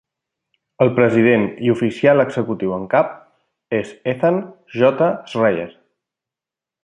El president i oficial executiu en cap és Ethan J. Schreier.